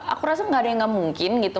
aku rasa gak ada yang gak mungkin gitu